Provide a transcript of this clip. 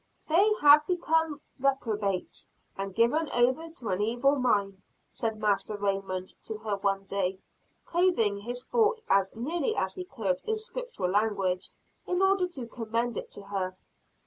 "They have become reprobates and given over to an evil mind," said Master Raymond to her one day; clothing his thought as nearly as he could in scriptural language, in order to commend it to her.